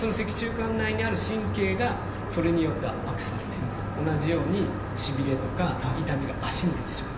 管内にある神経がそれによって圧迫されて同じようにしびれとか痛みが脚に出てしまう。